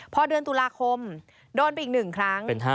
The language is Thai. พอเดือนตุลาคมโดนไปอีก๑ครั้ง